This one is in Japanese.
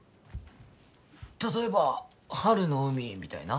例えば「春の海」みたいな？